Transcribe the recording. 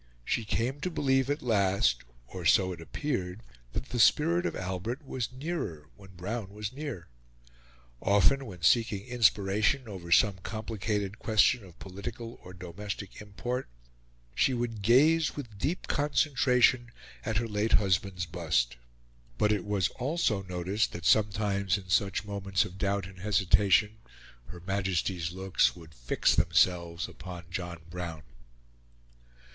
She came to believe at last or so it appeared that the spirit of Albert was nearer when Brown was near. Often, when seeking inspiration over some complicated question of political or domestic import, she would gaze with deep concentration at her late husband's bust. But it was also noticed that sometimes in such moments of doubt and hesitation Her Majesty's looks would fix themselves upon John Brown.